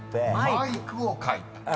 ［マイクを描いた］